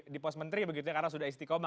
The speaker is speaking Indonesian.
di pos menteri karena sudah istiqomah